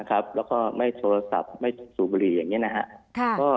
แล้วก็ไม่โทรศัพท์ไม่สูบบุหรี่อย่างนี้นะครับ